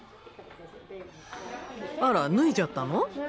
あら脱いじゃったの？